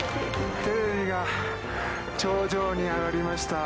テレビが頂上に上がりました。